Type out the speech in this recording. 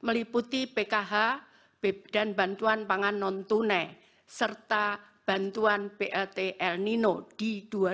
meliputi pkh dan bantuan pangan non tunai serta bantuan plt el nino di dua ribu dua puluh